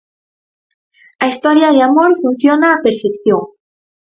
A historia de amor funciona á perfección.